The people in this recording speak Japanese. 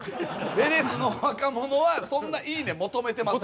ヴェレスの若者はそんな「いいね」求めてません。